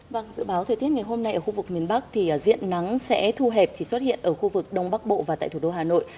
vâng dự báo thời tiết ngày hôm nay ở khu vực miền bắc thì diện nắng sẽ thu hẹp chỉ xuất hiện ở khu vực đông bắc bộ và tại thủ đô hà nội